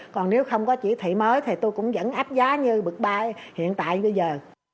còn nếu không có chỉ thị mới thì tôi cũng vẫn áp giá như bậc ba hiện tại bây giờ